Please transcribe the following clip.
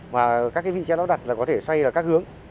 và các vị trang đó đặt là có thể xoay vào các hướng